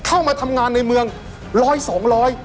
เข้ามาทำงานในเมืองร้อยสองร้อย